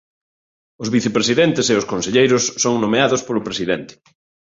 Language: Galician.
Os vicepresidentes e os conselleiros son nomeados polo presidente.